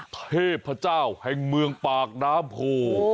เทพเจ้าแห่งเมืองปากน้ำโพ